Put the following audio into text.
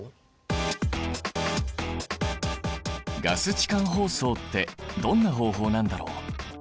ガス置換包装ってどんな方法なんだろう？